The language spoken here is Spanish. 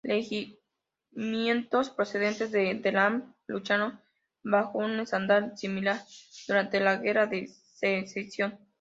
Regimientos procedentes de Delaware lucharon bajo un estandarte similar durante la Guerra de Secesión